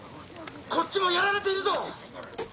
こっちもやられているぞ！